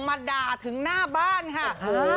มาด่าถึงหน้าบ้านค่ะ